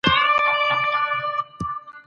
کندهار کي یې کومې ودانۍ جوړې کړې؟